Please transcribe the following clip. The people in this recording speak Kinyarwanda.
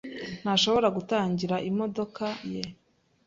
ntashobora gutangira imodoka ye.